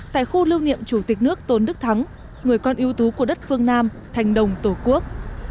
tại khu lưu niệm chủ tịch nước tôn đức thắng người con ưu tú của đất phương nam thành đồng tổ quốc